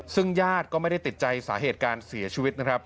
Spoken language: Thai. ซึ่งญาติก็ไม่ได้ติดใจสาเหตุการเสียชีวิตนะครับ